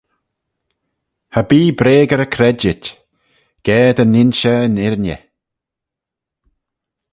Cha bee breagery credjit, ga dy ninsh eh yn irriney